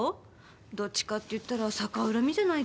どっちかって言ったら逆恨みじゃないかな？